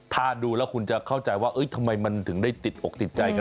ถ้าดูแล้วคุณจะเข้าใจว่าทำไมมันถึงได้ติดอกติดใจกัน